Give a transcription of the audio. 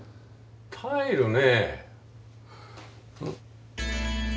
タイルね。